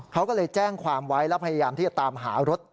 เขาก็เลยแจ้งความไว้แล้วพยายามที่จะตามหารถ